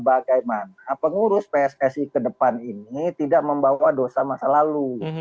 bagaimana pengurus pssi ke depan ini tidak membawa dosa masa lalu